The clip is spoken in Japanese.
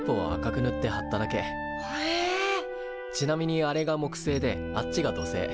ちなみにあれが木星であっちが土星。